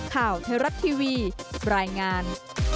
ข่าวเทราะทีวีปรายงาน